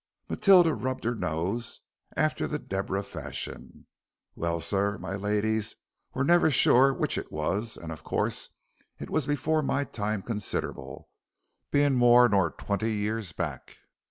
Matilda rubbed her nose, after the Deborah fashion. "Well, sir, my ladies were never sure which it was, and, of course, it was before my time considerable, being more nor twenty year back.